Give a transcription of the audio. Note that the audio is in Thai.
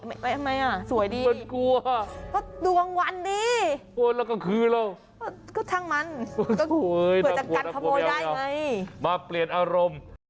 ไม่สวยดีมันกลัว